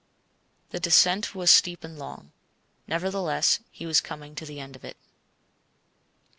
The descent was steep and long. Nevertheless he was coming to the end of it.